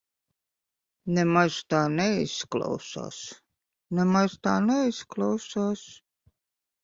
Nemaz tā neizklausās.